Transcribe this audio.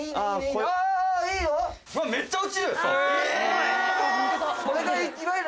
うわめっちゃ落ちる！